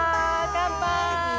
乾杯！